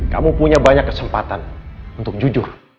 kamu punya banyak kesempatan untuk jujur